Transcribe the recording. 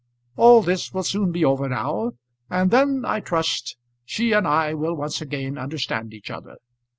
All this will soon be over now, and then, I trust, she and I will once again understand each other.